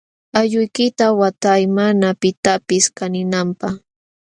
Allquykita watay mana pitapis kaninanpaq.